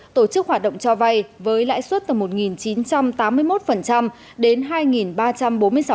tổ chức hoạt động cho vay với lãi suất từ một chín trăm tám mươi một đến hai ba trăm bốn mươi sáu